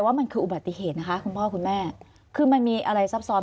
ว่ามันคืออุบัติเหตุนะคะคุณพ่อคุณแม่คือมันมีอะไรซับซ้อน